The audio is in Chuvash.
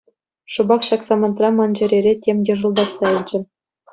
Шӑпах ҫак самантра ман чӗрере тем йӑшӑлтатса илчӗ.